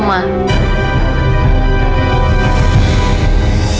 sama kaya waktu itu dia bohongin oma